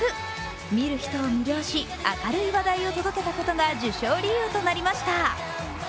見る人を魅了し明るい話題を届けたことが受賞理由となりました。